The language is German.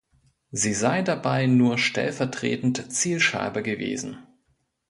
Sie sei dabei nur stellvertretend Zielscheibe gewesen.